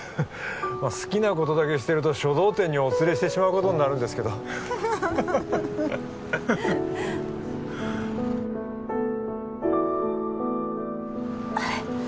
まあ好きなことだけしてると書道展にお連れしてしまうことになるんですけどあれ？